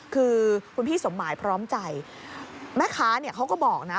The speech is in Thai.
คือคุณพี่สมหมายพร้อมใจแม่ค้าเนี่ยเขาก็บอกนะ